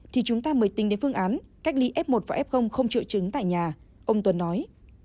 thì chúng ta mới tính đến phương án cách ly f một và f không triệu chứng tại nhà ông tuấn nói